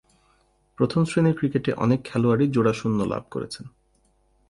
প্রথম-শ্রেণীর ক্রিকেটে অনেক খেলোয়াড়ই জোড়া শূন্য লাভ করেছেন।